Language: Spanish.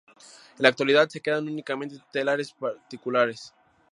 En la actualidad, quedan únicamente telares particulares.